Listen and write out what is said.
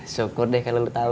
syukur deh kalo lo tau